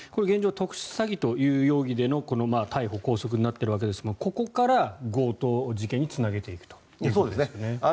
特殊詐欺という容疑での逮捕・拘束になっているわけですがここから強盗事件につなげていくということですね。